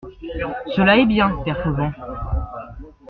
Cela est bien, père Fauvent.